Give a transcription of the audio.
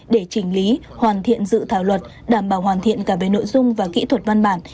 để chỉnh lý hoàn thiện dự thảo luật đảm bảo hoàn thiện cả về nội dung và kỹ thuật văn bản